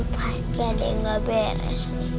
pasti ada yang gak beres